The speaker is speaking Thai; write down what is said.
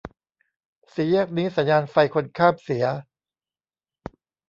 สี่แยกนี้สัญญาณไฟคนข้ามเสีย